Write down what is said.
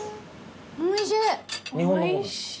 おいしい！